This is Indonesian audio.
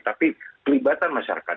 tapi kelibatan masyarakat